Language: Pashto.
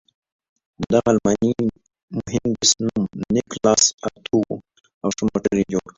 د دغه الماني مهندس نوم نیکلاس اتو و او ښه موټر یې جوړ کړ.